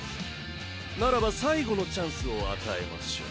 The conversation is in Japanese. ならば最後のチャンスを与えましょう。